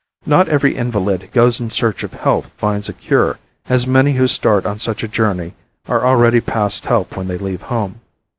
Not every invalid who goes in search of health finds a cure, as many who start on such a journey are already past help when they leave home.